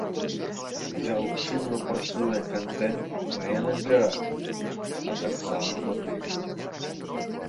Дзяўчына працуе кантэнт-менеджарам, а таксама мадэллю.